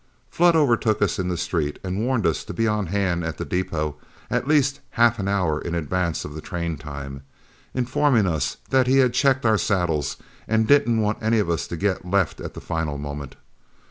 Flood overtook us in the street, and warned us to be on hand at the depot at least half an hour in advance of train time, informing us that he had checked our saddles and didn't want any of us to get left at the final moment.